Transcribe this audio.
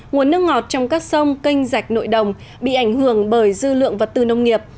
nguồn nước ngọt trong các sông canh rạch nội đồng bị ảnh hưởng bởi dư lượng vật tư nông nghiệp